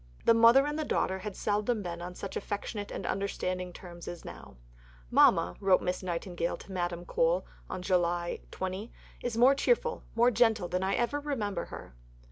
The mother and the daughter had seldom been on such affectionate and understanding terms as now. "Mama," wrote Miss Nightingale to Madame Mohl (July 20), "is more cheerful, more gentle than I ever remember her."